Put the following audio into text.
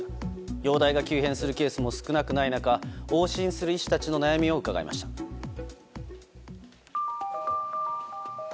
容体が急変するケースも少なくない中往診する医師たちの悩みを伺いました。